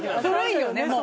古いよね。